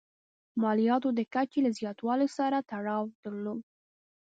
مالیاتو د کچې له زیاتوالي سره تړاو درلود.